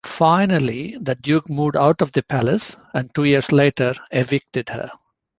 Finally, the duke moved out of the palace, and two years later evicted her.